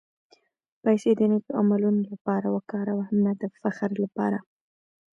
پېسې د نېک عملونو لپاره وکاروه، نه د فخر لپاره.